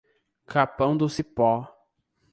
Capão do Cipó